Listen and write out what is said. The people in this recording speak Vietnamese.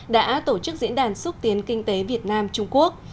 đã tổ chức diễn đàn xúc tiến kinh tế việt nam trung quốc